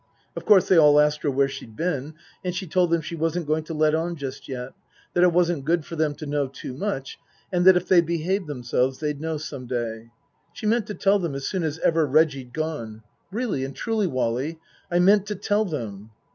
Of course they all asked her where she'd been, and she told them she wasn't going to let on just yet, that it wasn't good for them to know too much, and that if they behaved them selves they'd know some day. She meant to tell them as soon as ever Reggie'd gone. " Really and truly, Wally, I meant to tell them."